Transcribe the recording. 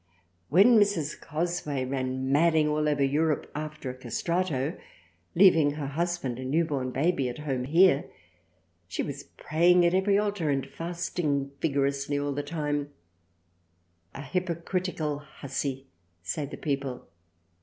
When Mrs. Cosway ran madding all over Europe after a Castrato leaving her husband and new born baby at Home here ; she was praying at every Altar and fasting vigorously all the time, a hypocritical Hussy say the people.